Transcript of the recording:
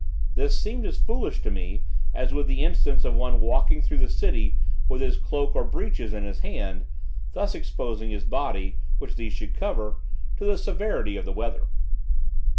This seemed as foolish to me as would the instance of one's walking through the city with his cloak or breeches in his hand; thus exposing his body, which these should cover, to the severity of the weather.